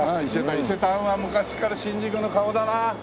伊勢丹は昔から新宿の顔だな